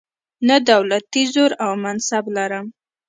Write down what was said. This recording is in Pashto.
نه دولتي زور او منصب لرم.